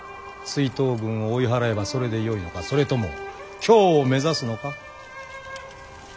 追討軍を追い払えばそれでよいのかそれとも京を目指すのか。